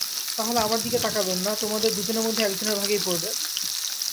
তা হলে আমার দিকে তাকাবেন না, তোমাদের দুজনের মধ্যে একজনের ভাগেই পড়বেন!